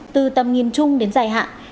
từ tầm nghiêm trung đến dài hạng